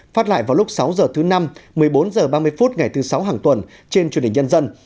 phát lại vào lúc sáu h thứ năm một mươi bốn h ba mươi phút ngày thứ sáu hàng tuần trên truyền hình nhân dân